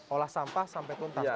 olah sampah sampai tuntas